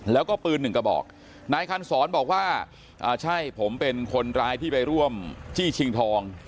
แล้วก็ปืนหนึ่งกระบอกนายคันศรบอกว่าอ่าใช่ผมเป็นคนร้ายที่ไปร่วมจี้ชิงทอง